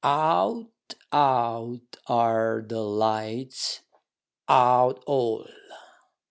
Out out are the lights out all!